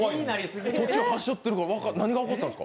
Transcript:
途中はしょってるから何が起こったんですか？